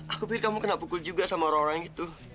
aku pikir kamu kena pukul juga sama orang orang itu